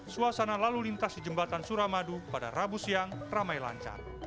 suasana lalu lintas di jembatan suramadu pada rabu siang ramai lancar